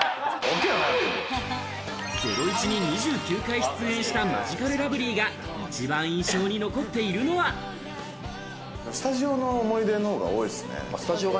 『ゼロイチ』に２９回出演したマヂカルラブリーが一番印象にスタジオの思い出の方が多いですね。